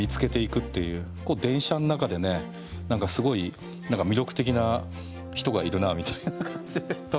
これ電車の中でねすごい魅力的な人がいるなみたいな感じで。